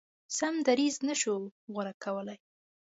سم دریځ نه شو غوره کولای.